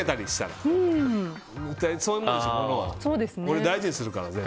俺、大事にするから。